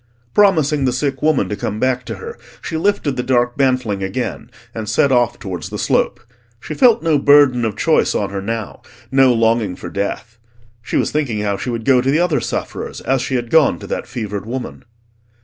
Promising the sick woman to come back to her, she lifted the dark bantling again, and set off towards the slope. She felt no burden of choice on her now, no longing for death. She was thinking how she would go to the other sufferers, as she had gone to that fevered woman.